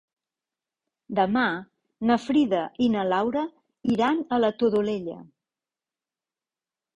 Demà na Frida i na Laura iran a la Todolella.